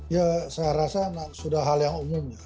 ya saya rasa sudah hal yang umum ya